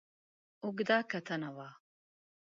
اوږده کتنه وه.